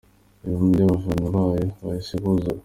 Ibihumbi by’abafana bayo bahise buzura